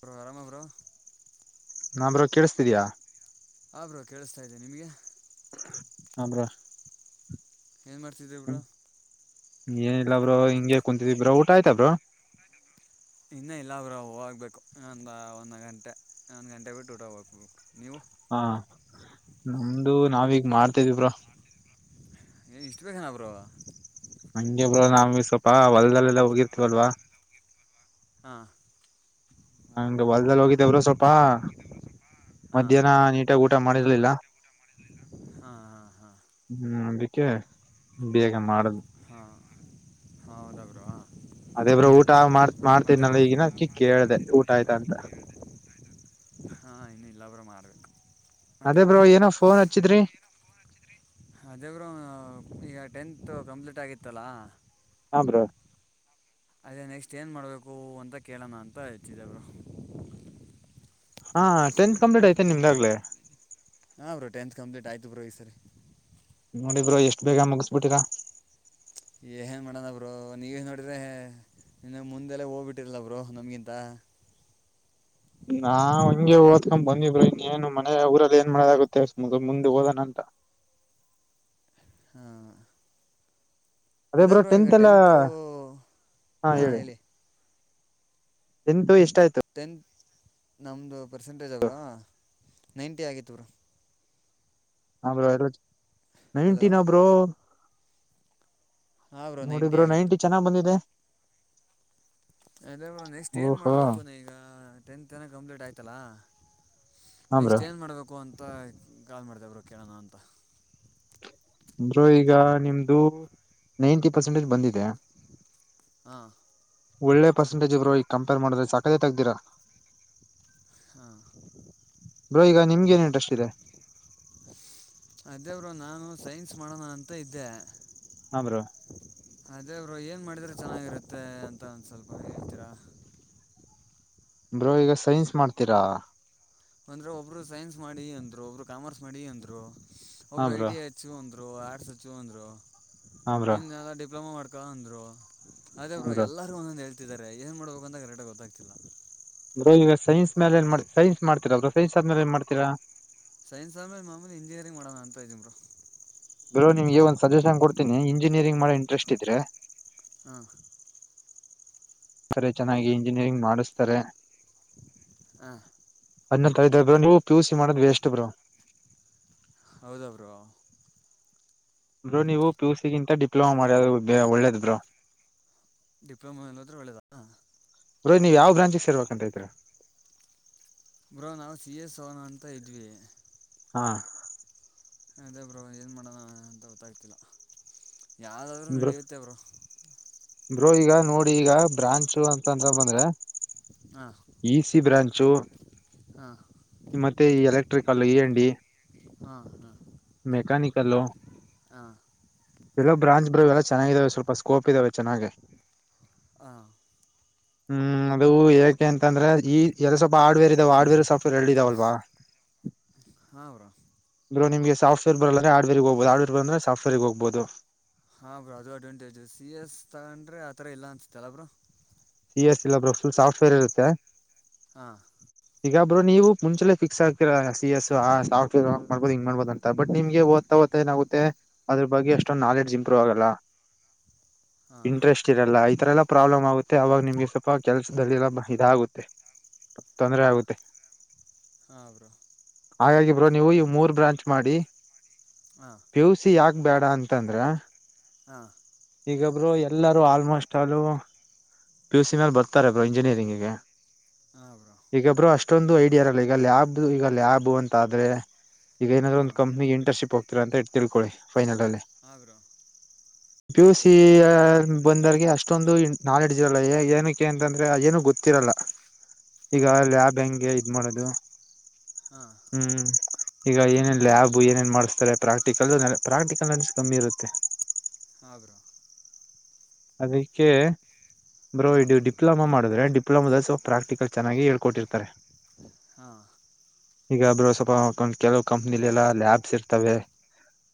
Bro ಆರಾಮ bro ನಾಮ್ bro ಕೇಳಸ್ತಿದಿಯಾ ಆ ಬ್ರೋ ಕೇಳಿಸ್ತಾ ಇದೆ ನಿಮ್ಗೆ ಹ ಬ್ರೊ ಏನ್ ಮಾಡ್ತಿದ್ದೆ ಬ್ರೊ ಏನಿಲ್ಲ ಬ್ರೊ ಹಿಂಗೆ ಕುಂತಿದ್ದೆ ಬ್ರೊ ಊಟ ಆಯ್ತಬ್ರೊ ಇನ್ನೂ ಇಲ್ಲಬ್ರೊ ಹೋಗ್ಬೇಕು ಇನ್ನೊಂದಾ ಒಂದು ಗಂಟೆ ಇನೊಂದ್ ಗಂಟೆ ಬಿಟ್ಟು ಊಟ ಹೋಗ್ಬೇಕ್ ನೀವು ಹಾ ನಮ್ದು ನಾವೀಗ್ ಮಾಡ್ತೈದಿವ್ ಬ್ರೊ ಏನ್ ಇಷ್ಟ್ ಬೇಗನ ಬ್ರೊ ಹಂಗೆ ಒನಾಮಿ ಸ್ವಲ್ಪ ಹೊಲ್ದಲ್ಲೆಲ್ಲಾ ಹೋಗಿರ್ತಿವಲ್ವಾ ಹಾ ಹಂಗೆ ಹೊಲ್ದಲ್ ಹೋಗಿದ್ದೇಬ್ರೊ ಸ್ವಪಾ ಹಾಂ ಮಧ್ಯಾಹ್ನಾ ನೀಟಾಗಿ ಊಟ ಮಾಡಿರ್ಲಿಲ್ಲ ಹಾಂ ಹಾಂ ಹಾಂ ಹ್ಮೂ ಅದಕ್ಕೆ ಬೇಗ ಮಾಡ್ದೆ ಹಾ ಹೌದಬ್ರೊ ಅದೆಬ್ರೊ ಊಟ ಮಾಡ್ ಮಾಡ್ತಿದ್ನಲ್ಲ ಬ್ರೋ ಈಗಿನು ಅದ್ಕಿ ಕೇಳ್ದೆ ಊಟ ಆಯ್ತ ಅಂತ ಹಾ ಇನ್ನು ಇಲ್ಲಬ್ರೊ ಮಾಡಬೇಕು ಮತ್ತೆ ಅದೇ ಬ್ರೋ ಬ್ರೊ ಏನೋ ಫೋನ್ ಹಚ್ಚಿದ್ರಿ ಅದೇಬ್ರೊ ಈಗ ಟೆಂತ್ ಕಂಪ್ಲೀಟ್ ಆಗಿತ್ತಲ್ಲ ಹಬ್ರೊ ಅದೇ ನೆಕ್ಸ್ಟ್ ಏನ್ ಮಾಡ್ಬೇಕೂ ಅಂತ ಕೇಳೋಣ ಅಂತ ಹಚ್ಚಿದ್ದೆ ಬ್ರೊ ಹಾ ಟೆಂತ್ ಕಂಪ್ಲೀಟ್ ಆಯ್ತ ನಿಮ್ದ್ ಆಗ್ಲೆ ಹಾ ಬ್ರೊ ಟೆಂತ್ ಕಂಪ್ಲೀಟ್ ಆಯ್ತು ಬ್ರೊ ಈ ಸರಿ ನೋಡಿ ಬ್ರೊ ಎಷ್ಟು ಬೇಗ ಮುಗಿಸ್ಬಿಟ್ಟಿರಾ ಏನ್ಮಾಡೋಣ ಬ್ರೊ ನೀವೇ ನೋಡಿದ್ರೆೆ ಇನ್ನ ಮುಂದೆಲ್ಲೇ ಹೋಗ್ಬಿಟ್ಟಿರಲ್ಲ ಬ್ರೊ ನಮ್ಗಿಂತ ನಾ ಹಂಗೆ ಓದ್ಕೊಂಡ್ ಬಂದಿವ್ ಬ್ರೊ ಇನ್ನೇನು ಮನೆೆ ಊರಲ್ಲಿ ಏನ್ ಮಾಡಗುತ್ತೆಅಸ್ಟಮುಗುದ್ ಮುಂದೆ ಹೋಗಣ ಅಂತ ಹಾ. [inaudible] ಅದೇ ಬ್ರೋ, ಈಗ ಟೆಂತು ಹಾ, ಹೇಳಿ? [inaudible] ನಿಂದು, ಇಷ್ಟ ಆಯ್ತು? [inaudible] ಟೆಂತ್, ನಮ್ಮದು ಪರ್ಸೆಂಟೇಜ್! ಬ್ರೋ, ನೈಂಟಿ ಆಗಿತ್ತು, ಬ್ರೋ! [inaudible] ಹ ಬ್ರೋ, ಹಗೋಚು, ಹಲೋ ನೈಟಿನಾ, ಬ್ರೋ? [inaudible] ನೋಡಿ, ಬ್ರೋ, ನೈಂಟಿ, ಚೆನ್ನಾಗಿ, ಬಂದಿದೆ? [inaudible] ಹಲೋ ಮೇಸ್ತ್ರಿ ಇವಾಗ ಏನು ಓಹೋ ಮಾಡಬೇಕು ನಾನಿವಾಗ, ಟೆಂತ್, ಕಂಪ್ಲೀಟ್, ಆಯ್ತಲ್ಲ! [inaudible] ಹಾ ಬ್ರೋ ನೆಕ್ಸ್ಟ್ ಏನ್ ಮಾಡ್ಬೇಕು ಅಂತ! ಕಾಲ್ ಮಾಡಿದೆ, ಕೇಳೋಣ ಅಂತ? [inaudible] ಬ್ರೋ, ಈಗ ನಿಮ್ದು ನೈಂಟಿ! ಪರ್ಸೆಂಟೇಜ್ ಬಂದಿದೆ. [inaudible] ಹಾ! [unintelligible] ಒಳ್ಳೆ, ಪರ್ಸೆಟೇಜ್, ಬ್ರೋ, ಈ ಕಂಪೇರ್ ಮಾಡ್ರೆ, ಸಕತಗಿ, ಇದೀರಾ? [inaudible] ಹಾಂ ಬ್ರೋ, ಈಗ ನಿಮ್ಗೆನ್! ಇಂಟರ್ಸೆಟ್, ಇದೇ? [inaudible] ಅದೇ ಬ್ರೋ, ನಾನು ಸೈನ್ಸ್ ಮಾಡೋಣ ಅಂತ ಇದ್ದೆ. [unintelligible] ಹ, ಬ್ರೋ! [inaudible] ಅದೇ, ಬ್ರೋ, ಏನು ಮಾಡಿದರೆೆ ಚೆನ್ನಾಗಿರುತ್ತೆ ಅಂತ, ಒಂದು ಸ್ವಲ್ಪ ಹೇಳ್ತೀರಾ? [unintelligible] ಬ್ರೋ, ಈಗ ಸೈನ್ಸ್ ಮಾಡ್ತೀರಾ? [inaudible] ಅಂದ್ರೆ, ಒಬ್ರು ಸೈನ್ಸ್ ಮಾಡಿ! ಅಂದ್ರು, ಒಬ್ರು ಕಾಮರ್ಸ್, ಮಾಡಿ, ಅಂದ್ರು, ಹಾ ಒಬ್ರು, I, bro T, I. [inaudible] Sachu, ಅಂದರು ಆರ್ಟ್ಸ್, ಸಾಚು, ಅಂದರು ಹಾ ಬ್ರೋ ಹಿಂದಲ್ಲ, ಡಿಪ್ಲೊಮಾ, ಬರುತ್ತೆ, ಅಂದರು. [unintelligible] ಅದೇ, ಬ್ರೋ! ಎಲ್ಲರು, ಒಂದೊಂದು ಹೇಳ್ತಿದ್ದಾರೆ ಏನ್ ಮಾಡ್ಬೇಕು ಅಂತ ಕರೆಕ್ಟಾಗಿ ಗೊತ್ತಾಗ್ತಿಲ್ಲ? [inaudible] ಈಗ, ಸೈನ್ಸ್, ಮೇಲೈ, ಏನ್ ಮಾಡಿ ಸೈನ್ಸ್ ಮಾಡ್ತಿರಾ, ಸನ್ಸ್ ಆದ್ಮೇ ಏನ್ ಮಾಡ್ತಿರಾ? [inaudible] ಸೈನ್ಸ್ ಅಧುಮೇಲೈ, ಮಾಮೂಲಿ, ಇಂಜಿಯರಿಂಗ್, ಮಾಡೋಣ, ಅಂತ, ಇದೀನಿ, ಬ್ರೋ? [inaudible] ಬ್ರೋ, ನಿಮ್ಗೆ, ಒಂದು, ಸಜಷನ್, ಕೊಡ್ತೀನಿ, ಇಂಜಿನಿಯರಿಂಗ್, ಮಾಡೋ, ಇಂಟ್ರೆಸ್ಟ್, ಇದ್ರೆ? [inaudible] ಹ. [inaudible] ಆ, ಕಡ್ಡೆ, ಚೆನ್ನಾಗಿ ಹೇಳಿ ಇಂಜಿನಿಯರಿಂಗ್ ಮಾಡಿಸ್ತಾರೆ? [inaudible] ಹ. [unintelligible] ಅಧ್ನಾ, ಕಲಿತರೇ, ಬ್ರೋ, ನೀವು, ಪಿಯುಸಿ, ಮಾಡೋದು, ವೇಸ್ಟ್, ಬ್ರೋ? [inaudible] ಹೌದ, ಬ್ರೋ? [inaudible] ಬ್ರೋ, ನೀವು, ಪಿ, ಯು, ಸಿ. ಗಿಂತ ಡಿಪ್ಲೊಮಾ ಮಾಡಿರೋದು, ಒಳ್ಳೇದು, ಬ್ರೋ? [inaudible] ಡಿಪ್ಲೊಮಾ, ಅಲ್ಲದ್ರೆ, ಒಳ್ಳೇದಾ? [inaudible] ಬ್ರೋ, ನೀವು ಯಾವ ಬ್ಯಾಂಕ್ ಅಂದುಕೊಂಡಿದ್ದೀರಾ? [inaudible] ಬ್ರೋ, ನಾವು, ಸಿ, ಎಸ್ ಹೋಗೋಣ, ಅಂತ ಇದ್ವಿ! [inaudible] ಹಾ. [inaudible] ಅದೇ, ಬ್ರೋ, ಏನು, ಮಾಡೋಣ! ಅಂತ ಗೊತ್ತಾಗ್ತಿಲ್ಲ, ಯಾರ್ದಾದ್ರೂ, ನಡೆಯುತ್ತೆ, ಬ್ರೋ. [inaudible] ಬ್ರೋ, ಈಗ ನೋಡಿ ಈಗ ಬ್ರಾಂಚುಗಳು, ಅಂತ ಬಂದ್ರೆ? [inaudible] ಹಾ, ಇ ಸಿ ಬ್ರಾಂಚು ಹಾ! [unintelligible] ಮತ್ತೆ, ಈ ಎಲೆಕ್ಟ್ರಿಕಲ್, ಇ, ಎನು, ಡಿ. [inaudible] ಹಾ, ಹಾ! [unintelligible] ಮೆಕಾನಿಕಲ್! [inaudible] ಇದೆಲ್ಲ ಬ್ರಾಂಡ್ ಬ್ರೋ, ಎಲ್ಲಾ, ಚೆನ್ನಾಗಿದ್ದಾವೆ? ಸ್ಕೋಪ್ ಇದ್ರೆ ಚೆನ್ನಾಗೆ! [inaudible] ಹ. [inaudible] [inaudible] [unintelligible] ಹ್ಮ್, ಅದು ಯಾಕೆ ಅಂತಂದ್ರೆ! ಈ, ಎಲ್ಲ, ಸ್ವಲ್ಪ ಆಡ್ವೇರ್, ಇದಾವೆ, ಆಡ್ವೇರ್, ಸ್ವಲ್ಪ, ಎರಡು ಇದಾವೆ, ಅಲ್ವಾ? [inaudible] ಇದೇ, ಊರ, ಹಾ, ಬ್ರೋ? [unintelligible] ಬ್ರೋ ನಿಮಗೆ ಸಾಫ್ಟ್ವೇರ್ ಬರಲ್ಲ ಅಂದ್ರೆ, ಹಾರ್ಡ್ವೇರ್, ಹೋಗಬಹುದು, ಹಾರ್ಡ್ವೇರ್ ಬರಲ್ಲ ಅಂದ್ರೆ ಸಾಫ್ಟ್ವೇರ್ಗೆ, ಹೋಗಬಹುದು? [inaudible] ಹಾ, ಬ್ರೋ, ಅಡ್ವಾಂಟೇಜು, ಸಿ, ಎಸ್. ತಗೊಂಡ್ರೆ, ಆತರ, ಇಲ್ಲಾ, ಅನಿಸುತ್ತೆ, ಅಲ್ವಾ ಬ್ರೋ? [inaudible] ಸಿ ಎಸ್ ಇಲ್ ಒಬ್ಬ ಫುಲ್ ಸಾಫ್ಟವೇರ್ ಇರುತ್ತೆ ಹಾ ಈಗ ಬ್ರೋ ನೀವು ಮುಂಚೆ ಫಿಕ್ಸ್ ಆತೀರ ಸಿ ಎಸ್ ಆ ಸಾಫ್ಟವೇರ್ ಮಾಡಬದು ಹಿಂಗ ಮಾಡ್ಬೋುದು ಅಂತ ಬಟ್ ನಿಮ್ಗೆಓದ್ ಏನಾಗುತ್ತೆ ಅದ್ರ ಬಗ್ಗೆ ಎಷ್ಟೊ ನಾಲೆಡ್ಜ್ ಇಂಪ್ರೂವ್ ಆಗಲ್ಲ ಹಾಂ ಇಂಟ್ರೆಸ್ಟ್ ಸಿಗಲ್ಲ ಈ ತರ ಎಲ್ಲ ಪ್ರಾಬ್ಲಮ್ ಆಗುತ್ತೆ ಆಗ ನಿಮ್ಗೆ ಸ್ವಲ್ಪ ಕೆಲ್ಸದಲ್ಲಿ ಎಲ್ಲಾ ಇದ ಆಗುತ್ತೆ ತೊಂದ್ರ ಹಾಂ ಆಗುತ್ತೆ ಹಾಂ ಬ್ರೋ ಹಾಗಾಗಿ ಬ್ರೋ ನೀವು ಇ ಮೂರ್ ಬ್ರಾಂಚ್ ಮಾಡಿ ಹ ಪಿಯುಸಿ ಯಾಕೆ ಬೇಡ ಅಂತಂದ್ರೆ ಹ ಈಗ ಬ್ರೋ ಎಲ್ಲಾರೂ almost all P U C ಮೇಲೆ ಬರ್ತಾರೆ ಅವರು ಇಂಜಿನಿಯರ ಗೆ ಹ ಬ್ರೋ ಈಗಬ್ರು ಅಷ್ಟೊಂದು ಐಡಿಯಾ ಇರಲ್ಲ ಈಗ ಲ್ಯಾಬ್ ಈಗ ಲ್ಯಾಬ್ ಅಂತ ಆದ್ರೆ ಈಗ ಏನಾದ್ ಒಂದು ಹಾಂ ಕಂನಿ ಇಂಟರ್ನ್ಶಿಪ್ ಹೋಗತರ ಅಂತ ಹೇಳ ತಿಳ್ಕೊಳ್ಳಿ ಫೈನಲ್ ಅಲ್ಲಿ ಹಾ ಬ್ರೋ ಪಿ ಯು ಸಿ ಬಂದರ್ಗೆ ಅಷ್ಟೊಂದು ನಾಲೆಡ್ಜ್ ಇರಲ್ಲ ಏನಕ್ಕೆ ಅಂತಂದ್ರೆ ಏನ ಗೊತ್ತಿರಲ್ಲ ಈಗ ಹಾಂ ಲ್ಯಾಬ್ ಹೆಂಗೆ ಇದ್ ಮಾಡೋದು ಹಾ ಹ್ಮ್ ಈಗ ಏನೇನ್ ಲ್ಯಾಬ್ ಏನೇನ್ ಮಾಡಿಸ್ತಾರೆ ಪ್ರಾಕ್ಟಿಕಲ್ ಪ್ರಾಕ್ಟಿಕಲ್ ನಾಲಜ್ ಕಮ್ಮಿ ಇರುತ್ತೆ ಹಾ ಬ್ರೋ ಅದಕ್ಕೆ ಬ್ರೋ ಹಾಂ ಇದು ಡಿಪ್ಲೊಮಾ ಮಾಡಿದ್ರೆ ಡಿಪ್ಲೊಮಾ ನಲ್ಲಿ ಪ್ರಾಕ್ಟಿಕಲ್ ಚನ್ನಾಗಿ ಹೇಳಿ ಕೊಡತಾರೆ ಹಾ ಈಗ ಅಬ್ರು ಸ್ವಲ್ಪ ಕೆಲವು ಕಂಪ್ನಿಲಿ ಎಲ್ಲ ಲ್ಯಾಬ್ಸ್ ಇರ್ತವೆ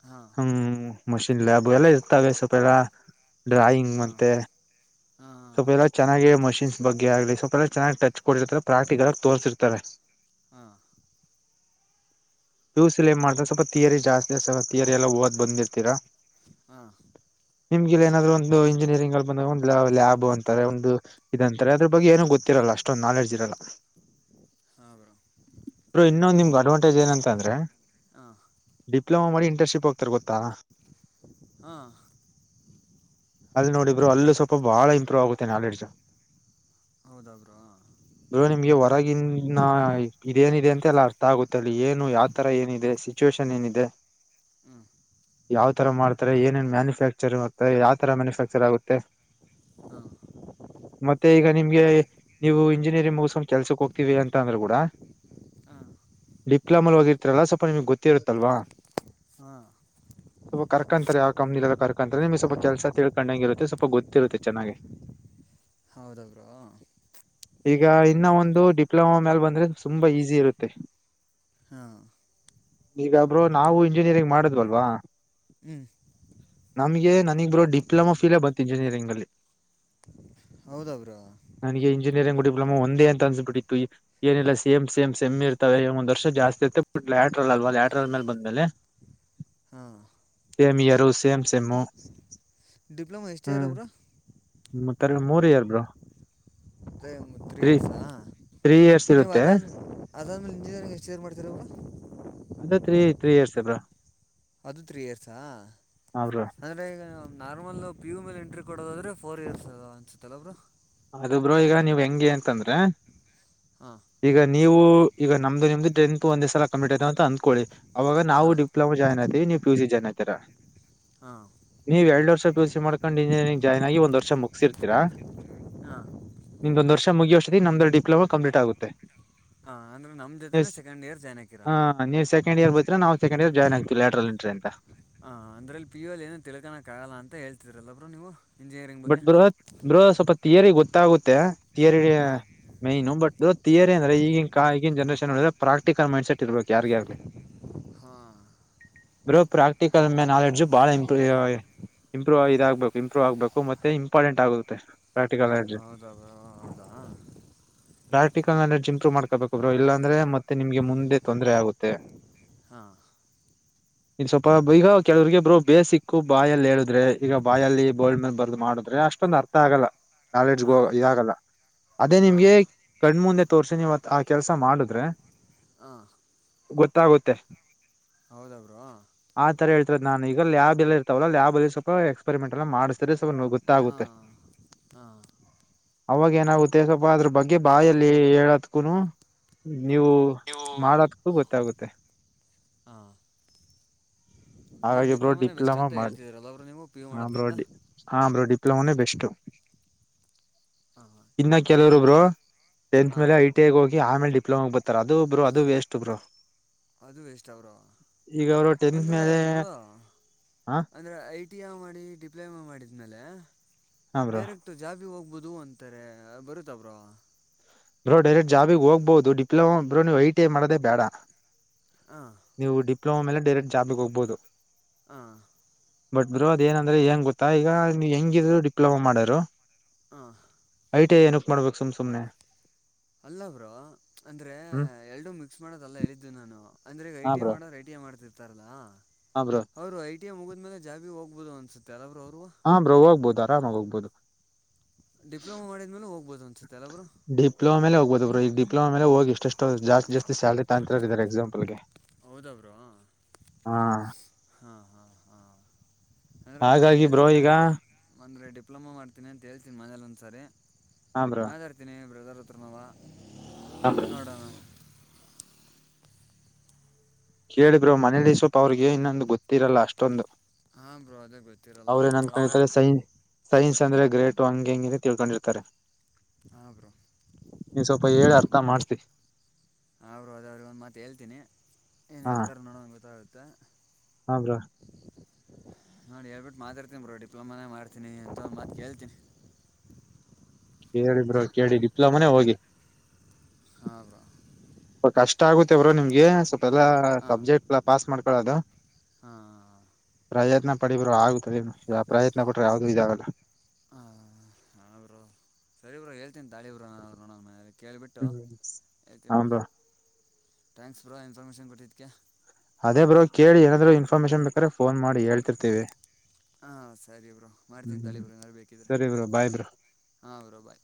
ಹಾ ಹ್ಮ್ ಮಷಿನ್ ಲ್ಯಾಬ್ ಎಲ್ಲ ಇರ್ತವೆ ಸ್ವಲ್ಪ ಎಲ್ಲ ಡ್ರಾಯಿಂಗ್ ಮತ್ತೆ ಹಾ ಸ್ವಲ್ ಎಲ್ಲ ಚೆನ್ನಾಗ ಮಷಿನ್ಸ್ ಬಗ್ಗೆ ಆಗ್ಲಿ ಸ್ವಲ್ಪ ಚೆನ್ನಾಗಿ ಟಚ್ ಕೊಟ್ಟಿರ್ತ ಪ್ರಾಕ್ಟಿಕಲ್ ಆಗ ತೋರ್ಸಿರ್ತಾರೆ ಹಾ [inaudible] ಪಿಯುಸಿ ಲೀ ಎನ್ ಮಾಡ್ತಾರೋ ಸ್ವಲ್ಪ ತೀಯರಿ ಜಾಸ್ತಿ ತೀಯರಿ ಎಲ್ಲ ಓದ್ ಬಂದಿರ್ತೀರಾ ಹಾ ನಿಮ್ಗೆಲ್ಲಿ ಏನಾದ್ರು ಒಂದು ಇಂಜಿನಿಯರಿಂಗ್ ಅಲ್ಲಿ ಬಂದಾಗ ಒಂದು ಲ್ಯಾಬ್ ಅಂತಾರೆ ಒಂದು ಇದಂತಾರೆ ಅದ್ರ ಬಗ್ಗೆ ಏನ ಗೊತ್ತರಲ್ಲ ಅಷ್ಟೊಂದು ನಾಲೆಜ್ ಇರಲ್ಲ ಹಾ ಬ್ರೋ ಇ ಇನ್ನೊಂದು ನಿಮ್ಗೆ ಅಡ್ವಾಂಟೇಜ್ ಏನಂತ ಅಂದ್ರೆ ಹಾ ಡಿಪ್ಲೊಮಾ ಮಾಡಿ ಇಂಟರ್ನ್ಶಿಪ್ಪ್ ಹೋಗ್ತಾರೆ ಗೊತ್ತಾ ಹಾ ಅಲ್ಲಿ ನೋಡಿ ಬ್ರೋ ಅಲ್ಲೂ ಸ್ವಲ್ ಬಹಳ ಇಂಪ್ರೂವ್ ಆಗುತ್ತೆ ನಾಲೆಜ್ ಹೌದಬ್ರು ಇ ನಿಮ್ಗೆ ಹೊರಗಿನ ಇದೇನಿದೆ ಅಂತೆ ಎಲ್ಲ ಅರ್ಥ ಆಗುತ್ತಲ್ಲಿ ಏನು ಯಾವ್ ತರ ಏನಿದೆ ಏನಿದೆ ಹ್ಞೂ ಯಾವರ ಮಾಡ್ತಾರೆ ಏನ ಮ್ಯಾನಫ್ಯಾಕ್ಚತಾರೆ ತರ ಮ್ಯಾನುಫ್ಯಾಕ್ಚರ್ ಆಗುತ್ತೆ ಹಾಂ ಮತ್ತೆ ಈಗ ನಿಮ್ಗೆ ನೀವು ಇಂಜಿನಿಯರಿಂಗ ಮುಸುಕೊಂಡು ಕೆಲ್ಸಕ್ ಹೋಗ್ತಿವಿ ಅಂತ ಅಂದ್ರೆ ಕೂಡ ಹಾಂ ಡಿಪ್ಲೊಮಾ ಹೋಗರ್ತಾರಲ್ಲ ಸ್ವಪಮ್ಗೆ ಗೊತ್ತಿರುತ್ತಲ್ವಾ ಹಾ ಸೆಲ್ಫ್ ಕರ್ಕಂತಾರೆ ಕಂಪನಿ ಎಲ್ಲ ಕರ್ಕಂತಾರೆ ನಿಮ್ ಸ್ಲ್ಪ ಕೆಲ್ಸ ತಿಳ್ಕೊಂಡಂಗ ಇರುತ್ತೆ ಸ್ವಲ್ಪ ಗೊತ್ತಿರುತ್ತೆ ಚೆನ್ನಾಗಿ ಹೌದ ಬ್ರೋ ಈಗ ಇನ್ನ ಒಂದು ಡಿಪ್ಲೊಮಾ ಮೇಾಲ ಬಂದ್ರೆ ತುಂಬಾ ಈಸಿ ಇರುತ್ತೆ ಹಾ ಈಗ ಬ್ರೋ ನಾವು ಇಂಜಿನಿಯರಿಂಗ್ ಮಾಡದ್ವಲ್ವಾ ಹ್ಞೂ ನಮ್ಗೆ ನನಗ್ ಬರೋ ಡಿಪ್ಲೊಮಾ ಫೀಲ್ ಬಂತು ಇಂಜಿನಿಯರಿಂಗಲ್ಲಿ ಹೌದ ಬ್ರೋ ನನಗೆ ಇಂಜಿನಿಯರಿಂಗ ಡಿಪ್ಲೊಮಾ ಒಂದ ಅನ್ಸಸ ಬಟ್ಟಿತ್ತು ಏನಿಲ್ಲ ಸೇಮ್ ಸೇಮ್ ಇರ್ತವೆ ಒಂದ ವರ್ಷ ಜಾಸ್ತಿ ಇರ್ತ್ತೆ ಬಟ್ ಲ್ಯಾಟ್ರಲ್ ಅಲ್ವಾ ಲ್ಯಾಟ್ರಲ್ ಮೇಲೆ ಬಂದೇಲೆ ಹಾಂ same year same same diploma ಇಷ್ಟ ಇಯರ್ ಬ್ರೋ ಮತ್ತ ಮೂರು ಇಯರ್ ಬ್ರೋ ಅದೇ ತ್ರೀ ಇಯರ್ಸಾ ತ್ರೀ ಇಯರ್ಸ್ ನೀವು ಇರುತ್ತೆ ಅದನ್ ಅದಾದೇಲೆ ಇಜಿನಿಯರಿಂಗ ಯಷ್ಟು ಇಯರ್ ಮಾಡತೀರಾ ಬ್ರೋ ಅದೇ ತ್ರೀ ತ್ರೀ ಇಯರ್ಸ್ ಅಲ್ರಾ ಅದು ತ್ರೀ ಇಯರ್ಸಾ ಹ ಬ್ರೋ ಅಂದ್ರೆ ಈಗ ನಾರ್ಮಲ್ ಪಿ ಯ ಮೇಲೆ ಎಂಟ್ರಿ ಕೊಡೋದಾದರೆ ಫೋರ್ ಇಯರ್ಸ್ದ ಅನಸುತ್ತಲ್ ಬ್ರೋ ಅದು ಬ್ರೋ ಈಗ ನೀವ್ ಹೆಂಗೆ ಅಂತಂದ್ರ ಹಾ ಈಗ ನೀವು ಈಗ ನಮ್ದು ನಿಮ್ದು ಟೆನ್ತ್ ಒಂದ ದಸಲ ಕಂಪ್ಲೀಟ್ ಆಯತ ಅಂತ ಅಂದ್ಕೊಳ್ಳಿ ಅವಾಗ ನಾವು ಹಾಂ ಡಿಪ್ಲೋಮ ಜಾಯನ್ ನೀವು ಡಿಪ್ಲೊಮಾ ಜಾಯನ್ ಆಗ್ತೀರಾ ಹಾ ನೀವು ಎರಡ್ ವರ್ಷ ಪಿ ಯು ಸಿ ಮಾಕೊಂಡು ಇಂಜಿನಿಯಂಗ್ ಜೋನ್ ಒಂದ್ ಮುಗಸಿ ತೀರ ಹಾಂ ನಿಮೊಂದಂದು ವರ್ಷ ಮುಗಿುವಷ್ಟದ ನಮ್ದ ಡಿಪ್ಲೋಾ ಕಂಪ್ಲಟ್ ಆಗುತ್ತೆ ಹ ಅಂದ್ರೆ ನಮ ಜೋತೆೇನೆ ಸೆಕೆಂಡ್ ಇಯರ್ ಜೋನ್ ಆಗ್ತೀರಿ ನೀವು ಸೆಕೆಂಡ್ ಇಯರ್ ಜೋನ್ ನವು ಸೆಕೆಂಡ್ ಇಯಾರ ಜಾಯನ್ ಆಗ್ತವಿ ಲ್ಯಾಟ್ರಲ್ ಅಂತ ಹ ಅಂದ್ರಲ್ಲಿ ಪ ಯು ಎ ಏನು ತಿಳ್ಕೋಕ್ಕಾಗಲ್ಲ ಅಂತ ಹೇಳ್ತಿದ್ರಲ್ಲಬರು ನೀವು ಇಂಜಿನಿಯರಿಂಗ್ ಬಟ್ ಬಗ್ಗೆ ಬ್ರೋ ಸ್ವಲ್ಪ ತಿಯರಿ ಗೊತ್ತಾಗುತ್ತೆ ತಿಯರಿ ಹಾಂ ಮೈನು ಬಟ್ದು ತಾಯರಿ ಅಂದ್ರ ಈಗ ಕ ಈಗ ಜನರೇಶನ್ ಪ್ರಾಕ್ಟಿಕಲ್ ಮೈಂಡ್ ಸೆಟ್ ಇರ್ಬೇಕು ಯಾರ್ಗ ಯಾರ್ಲಿ [unintelligible] ಹಾಂ ಬ್ರೋ ಪ್ರಾಕ್ಟಿಕಲ್ ನಾಲೆಡ್ಜು ಬಹಳ ಇಂಪ್ರೂವ್ ಇದಾಗಗ್ಬೇಕು ಇಂಪ್ರೂವ್ ಆಗ್ಬೇಕು ಮತ್ತೆ ಇಂಪಾರ್ಟೆಂಟ್ ಆಗುತ್ತೆ ಪ್ರಾಕ್ಟಿಕಲ್ ನಾಲೆಜ್ ಹೌದಾ ಬ್ರೋ ಹೌದಾ ಪ್ರಾಕ್ಟಿಕಲ್ ನಾಲೆಜ್ ಇಂಪ್ರೂವ್ ಮಾಡಬೇಕು ಇಲ್ಲ ಮಾತೆ ನಿಮಗೆ ಮುಂದೆ ತೊಂದರೆ ಆಗುತ್ತೆ ಹಾ [unintelligible] ಇನ್ ಸ್ವಲ್ಪ ಈಗ ಕೆಲವ್ರರಿಗೆಬ್ರು ಬೇಸಿಕ್ ಬಾಯಲ್ಲಿ ಹೇಳುದ್ರೆ ಈಗ ಬಾಯ ಅಲ್ಲಿ ಬೋಲ್ಡ್ ಮನ್ ಬ ಮಾಡುದ್ರೆ ಅಷ್ಟೊಂದು ಅರ್ಥ ಆಗಲ್ಲ ನಾಲೆಡ್ಜ್ ಹಾಂ ಇದಾಗಲ್ಲ ಅದೇ ಹಾಂ ನಿಮ್ಗೆ ಬ್ರೋ ಕಣ್ಮುಂದೆ ತೋರ್ಸಿನಿವತ್ ಆ ಕೆಲ್ಸ ಮಾಡುದ್ರೆ ಹ ಗೊತ್ತಾಗುತ್ತೆ ಹೌದ ಬ್ರೋ ಆತರ ಹೇಳ್ತರದ ನನ್ ಈಗ ಲ್ಯಾಬ್ ಎಲ್ಲ ಇರ್ತವಲ್ಲ ಲ್ಯಾಬ್ ಅಲ್ಲಿ ಸ್ವಲ್ಪ ಎಕ್ಸಪೆರಿ ಮೆಂಟ್ ಮಾಡ್ತೀರಿ ಹಾ ಹಾ ಅವಾಗ ಏನಾಗುತ್ತೆಪ್ಪಾ ಅಂದ್ರೆ ಬಗ್ಗೆ ಬಾಯಲ್ಲಿ ಹೇಳತ್ಕೂನು. ನೀವು ನೀವು ಮಾಡದಕ್ಕೂ ಗೊತ್ತಾಗುತ್ತೆ. ಹಾಂ ಅಂದರೆ ಹಾಗಾಗಿ ಬ್ರೋ ಡಿಪ್ಲೊಮೊನೇ ಬೆಸ್ಟ್ ಡಿಪ್ಲೋಮಾ ಅಂತ ಮಾಡಿ ಹೇಳ್ತಿದ್ದೀರಲ್ಲ ಅವರು ನೀವು ಪಿ ಯು ಆ ಬ್ರೋ ಮಾಡೋದ್ಕಿಂತ ಡಿ ಹಾ ಬ್ರೋ ಡಿಪ್ಲೊಮಾನೇ ಬೆಸ್ಟು ಹಾಂ ಹಾಂ ಇನ್ನ ಕೆಲವರು ಬ್ರೋ. ಟೆಂತ್ ಹಾಂ ಮೇಲೆ ಐ ಟಿ ಐ ಗೆ ಹೋಗಿ ಆಮೇಲೆ ಡಿಪ್ಲೊಮಾಗ ಬರ್ತಾರೆ ಅದು ಬ್ರೋ ಅದು ವೆಸ್ಟ್ ಬ್ರೋ. ಅದು ವೇಸ್ಟ್ ಬ್ರೋ ಈಗ ಅವರು ಟೆಂತ್ ಅಂದ್ರೆ ಮೇಲೆ ಬ್ರೋ ಹ ಅಂದ್ರೆ ಐ ಟಿ ಐ ಮಾಡಿ ಡಿಪ್ಲೊಮಾ ಮಾಡಿದ ಮೇಲೆ. ಹಾ ಬ್ರೋ ಡೈರೆಕ್ಟ್ ಜಾಬಿಗೆ ಹೋಗ್ಬೋದು ಅಂತಾರೆ ಬರುತ್ತ ಬ್ರೋ. ಬ್ರೋ ಡೈರೆಕ್ಟ್ ಜಾಬಿಗೆ ಹೋಗ್ಬಹುದು ಡಿಪ್ಲೋಮಾ ಬ್ರೋ ನೀವು ಐಟಿಐ ಮಾಡದೇ ಬೇಡ. ಹ್ಹಾ. ನೀವು ಡಿಪ್ಲೋಮಾ ಮೇಲೆ ಡೈರೆಕ್ಟ್ ಜಾಬಿಗೆ ಹೋಗಬಹುದು. ಹಾ ಬಟ್ ಬ್ರೋ ಅದ ಏನಂದ್ರೆ ಹೆಂಗ ಗೊತ್ತಾ ಈಗ ನೀ ಹೆಂಗಿದ್ರು ಡಿಪ್ಲೊಮಾ ಮಾಡರು. ಹಾಂ ಐ ಟಿ ಐ ಏನಕ್ ಮಾಡ್ಬೇಕು ಸುಮ್ ಸುಮ್ಮನೆ. ಅಲ್ಲ ಬ್ರೋ ಅಂದ್ರೆ ಹ್ಮ್ ಎರಡು ಮಿಕ್ಸ್ ಮಾಡದ ಅಲ್ಲ ಹೇಳಿದ್ದು ನಾನು ಅಂದ್ರೆ ಐ ಟ ಐ ಮಾಡ ಟ ಮಾಡ್ತಿರ್ತಾರಲ್ಲಾ. ಹ್ ಬ್ರೋ. ಅವರು ಐ ಟಿ ಎ ಮುಗಿದ್ಮೇಲೆ ಜಾಬಗೆ ಹೋಗ್ಬೋದು ಅನ್ಸುತ್ತೆ ಎಲ್ಲ ಅವರು ಅವ್ರು. ಹಾ ಬ್ರೋ ಹೋಗ್ಬೋದು ಆರಾಮಾಗ ಹೋಗ್ಬೋದು. ಡಿಪ್ಲೊಮಾ ಮಾಡಿದ್ಮೇಲೆ ಹೋಗ್ಬಹದು ಅನ್ಸುತ್ತೆ ಅಲ್ಲ ಬ್ರೋ. ಡಿಪ್ಲೋಮಾ ಮೇಲೇ ಹೋಗ್ಬೋದು ಬ್ರೋ ಈ ಡಿಪ್ಲೋಮ ಮೇ ಲೇ ಹೋಗ ಇಷ್ಟ ಜಸ್ತಿ ಜಾಸ್ ಸಾಲರಿ ತಗಂತರ ಇದಾರೆ ಎಕ್ಸಾಂಪಲ್ಗೆ. ಹೌದ ಬ್ರೋ. ಹಾ ಹಾ ಹಾ ಹಾ ಅಂದ್ರೆ ನಾನು ಹಾಗಾಗಿ ಹೇಳ್ತೀನಿ ಈಗ ತಗೊಳಿ ಬ್ರೋ. ಅಂದರೆ ಡಿಪ್ಲೊಮಾ ಮಾಡ್ತೀನಿ ಅಂತ ಹೇಳ್ತೀನಿ ಮನೇಲಿ ಒಂದ್ಸರಿ ಹಾ ಬ್ರೋ ಮಾತಾಡ್ತೀನಿ ಬ್ರದರ್ ಹತ್ರನವ. ನೋಡೋ. ಕೇಳಿ ಬ್ರೋ ಮನೆಯಲ್ಲಿ ಸ್ವಪ ಅವ್ರಿಗೆ ಇನ್ನೊಂದು ಗೊತ್ತಿರಲ್ಲ ಅಷ್ಟೊಂದು. ಹಾ ಬ್ರೋ ಅದೇ ಗೊತ್ತಿರಲ್ಲ ಅವ್ರ ಏನ್ ಅವ್ರಿಗೂನು. ಅನ್ಕೊಂಡಿರ್ತಾರೆ ಸೈ ಸೈನ್ಸ್ ಅಂದ್ರೆ ಗ್ರೇಟು ಹೆಂಗ ಹಿಂಗೆ ತಿಳ್ಕೊಂಡಿರ್ತಾರೆ. ಹಾ ಬ್ರೋ ನೀವ್ ಸ್ವಲ್ಪ ಹೇಳಿ ಅರ್ಥ ಮಾಡಬಿಡಿ. ಅವರು ಅದ ಅವ್ರಿಗೆ ಒಂದು ಮಾತು ಹೇಳ್ತೀನಿ ಏನು ಹೇಳ್ತಾರ ನೋಡೋಣ ಗೊತ್ತಾಗುತ್ತೆ. ಹ ಬ್ರೋ. ನೋಡಿ ಹೇಳ್ಬಿಟ್ಟು ಮಾತಾಡ್ತೀನಿ ಬ್ರೋ ಡಿಪ್ಲೊಮಾನೇ ಮಾಡ್ತೀನಿ ಅಂತ ಒಂದ್ ಮಾತ್ ಕೇಳ್ತೀನಿ. ಕೇಳಿ ಬ್ರೋ ಕೇಳಿ ಡಿಪ್ಲೊಮಾನೇ ಹೋಗಿ. ಹ್ಹ ಬ್ರೋ. ಸ್ವಲ್ಪ ಕಷ್ಟ ಆಗುತ್ತೇ ಬ್ರೋ ನಿಮ್ಗೆ ಸ್ವಲ್ಪ ಎಲ್ಲಾ ಹಾಂ ಸಬ್ಜೆಕ್ಟ್ ಎಲ್ಲ ಪಾಸ್ ಮಾಡ್ಕೊಳದು. ಹಾಂ ಪ್ರಯತ್ನ ಪಡಿ ಬ್ರೋ ಆಗುತ್ತ ಯಾವ ಪ್ರಯತ್ನ ಪಟ್ರೆ ಯಾವ್ದೂ ಇದಾಗಲ್ಲ. ಹ ಹಾ ಬ್ರೋ ಸರಿ ಬ್ರೋ ಹೇಳ್ತೀನಿ ತಗಳಿ ಬ್ರೋ ನೋಡಂ ಮನೇಲಿ. ಕೇಳಿಬಿಟ್ಟು ಹ್ಮ್ ಹೇಳ್ತೀನಿ ಬ್ರೋ ಥ್ಯಾಂಕ್ಸ್ ಬ್ರೋ ಇನ್ಫಾರ್ಮೇಷನ್ ಕೊಟ್ಟಿದ್ದಕ್ಕೆ. ಅದೇ ಬ್ರೋ ಕೇಳ ಏನಾದ್ರು ಇನ್ಫಾರ್ಮೇಷನ್ ಬೇಕಾರ ಫೋನ್ ಮಾಡಿ ಹೇಳ ಹಾ ಸರಿ ಬ್ರೋ ಮಾಡ್ತೀನಿ ತಗಳಿ ಹ್ಮ್ ಬ್ರೋ ಏನಾದ್ರೂ ಬೇಕಿದ್ರ. ಸರಿ ಬ್ರೋ ಬಾಯ್ ಬ್ರೋ ಹಾ ಬ್ರೋ ಬಾಯ್.